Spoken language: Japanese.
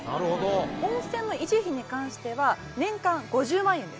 温泉の維持費に関しては年間５０万円です。